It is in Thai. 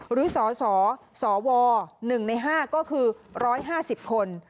หรือสสว๑ใน๕ก็คือ๑๕๐คน